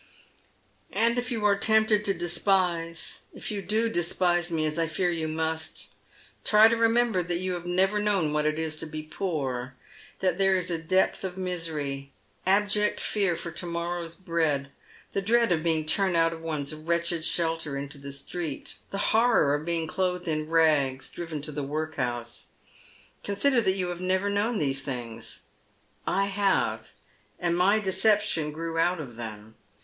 " And if you are tempted to despise, if you do despise me, as I fear you must, try to remember that you have never known what it is to be poor, that there is a depth of miseiy ; abject fear for to morrow's bread ; the dread of being turned out of one's wretched shelter into the street, the horror of being clothed in rags, driven to the workhouse. Consider that you have never known these things. I have, and my deception grew out of them.